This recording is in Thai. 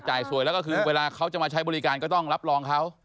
สวยแล้วก็คือเวลาเขาจะมาใช้บริการก็ต้องรับรองเขา